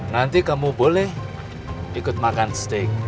nanti kamu boleh ikut makan steak